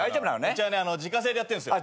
うちは自家製でやってるんすよ。